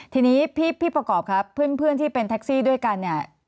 ทีนี้พี่ประกอบครับเพื่อนที่เป็นแท็กซี่ด้วยกันเนี่ย